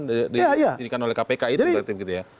diperkirakan oleh kpk itu